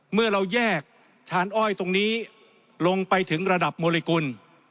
เมื่อเราแยกชานอ้อยตรงนี้ลงไปถึงระดับโมลิกุล